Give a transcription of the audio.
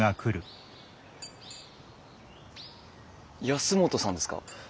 保本さんですか？